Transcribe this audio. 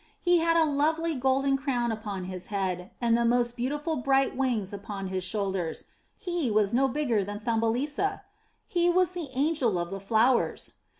He had a lovely golden crown upon his head and the most beautiful bright wings upon his shoulders; he was no bigger than Thumbelisa. He was the angel of the flowers.